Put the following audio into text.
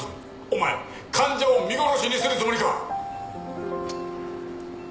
お前患者を見殺しにするつもりか！？